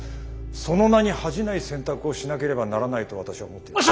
その名に恥じない選択をしなければならないと私は思っています。